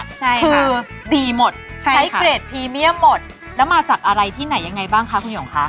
คือดีหมดใช้เกรดพรีเมียมหมดแล้วมาจากอะไรที่ไหนยังไงบ้างคะคุณหยงคะ